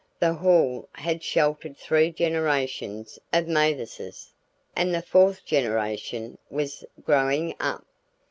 The Hall had sheltered three generations of Matherses, and the fourth generation was growing up.